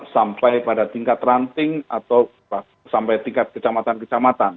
sampai pada tingkat ranting atau sampai tingkat kecamatan kecamatan